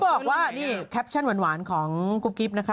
บอกว่านี่แคปชั่นหวานของกุ๊บกิ๊บนะคะ